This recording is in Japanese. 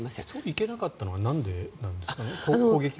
行けなかったのはなんでなんですか？